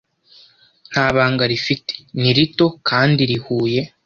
Nta banga rifite, ni rito, kandi rihuye